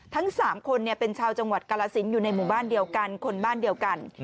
ทั้ง๓คนเป็นชาวจังหวัดกาลสินอยู่ในหมู่บ้านเดียวกันคนบ้านเดียวกัน